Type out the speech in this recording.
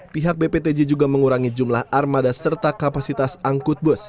pihak bptj juga mengurangi jumlah armada serta kapasitas angkut bus